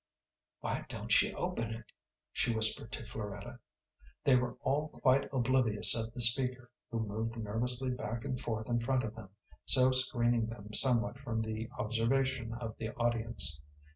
"Why don't she open it?" she whispered to Floretta. They were all quite oblivious of the speaker, who moved nervously back and forth in front of them, so screening them somewhat from the observation of the audience.